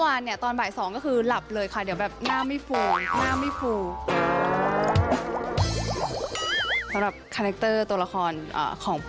ถามนี้เรื่องคือระบบเป็นดอน